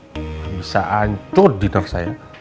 bisa anjur diner saya